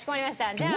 じゃあ。